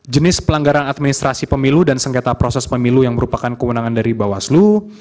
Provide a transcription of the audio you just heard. jenis pelanggaran administrasi pemilu dan sengketa proses pemilu yang merupakan kewenangan dari bawaslu